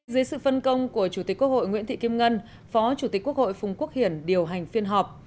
dưới sự phân công của chủ tịch quốc hội nguyễn thị kim ngân phó chủ tịch quốc hội phùng quốc hiển điều hành phiên họp